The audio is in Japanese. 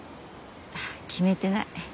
決めてない。